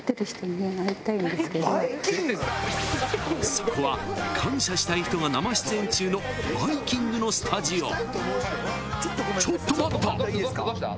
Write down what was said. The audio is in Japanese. ［そこは感謝したい人が生出演中の『バイキング』のスタジオ］ちょっとごめんなさい。